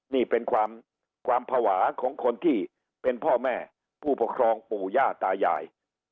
นี่เป็นความภาวะของคนที่เป็นพ่อแม่ผู้ปกครองปู่ย่าตายาย